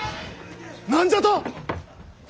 何じゃと！？